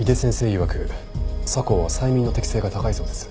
いわく佐向は催眠の適性が高いそうです。